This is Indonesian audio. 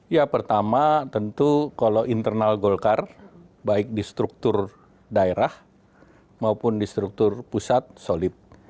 ya pertama tentu kalau internal golkar baik di struktur daerah maupun di struktur pusat solid